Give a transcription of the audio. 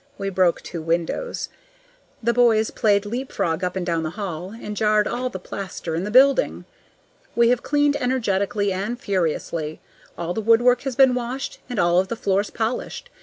(We broke two windows.) The boys played leapfrog up and down the hall, and jarred all the plaster in the building. We have cleaned energetically and furiously. All the woodwork has been washed, and all of the floors polished.